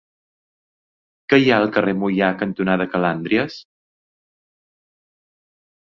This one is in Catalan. Què hi ha al carrer Moià cantonada Calàndries?